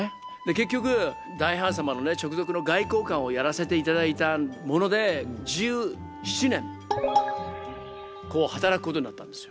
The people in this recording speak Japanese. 結局大ハーン様のね直属の外交官をやらせていただいたもので１７年こう働くことになったんですよ。